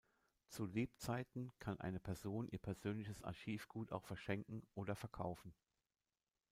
Zu Lebzeiten kann eine Person ihr persönliches Archivgut auch verschenken oder verkaufen.